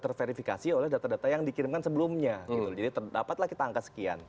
terverifikasi oleh data data yang dikirimkan sebelumnya jadi terdapatlah kita angka sekian